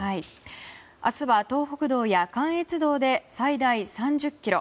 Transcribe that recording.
明日は東北道や関越道で最大３０ｋｍ。